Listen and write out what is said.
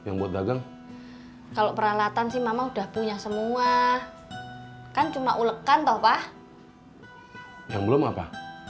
hai yang buat dagang kalau peralatan sih mama udah punya semua kan cuma ulekan toh pak yang belum apa